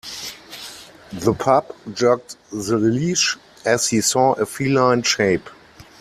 The pup jerked the leash as he saw a feline shape.